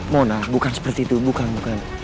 mona bukan seperti itu bukan bukan